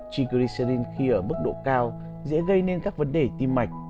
chikrisein khi ở mức độ cao dễ gây nên các vấn đề tim mạch